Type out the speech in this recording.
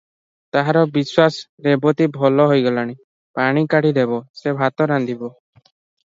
ତାହାର ବିଶ୍ୱାସ, ରେବତୀ ଭଲ ହୋଇଗଲାଣି, ପାଣି କାଢ଼ି ଦେବ, ସେ ଭାତ ରାନ୍ଧିବ ।